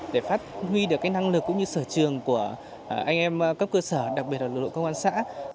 để phát huy được năng lực cũng như sở trường của anh em cấp cơ sở đặc biệt là lực lượng công an xã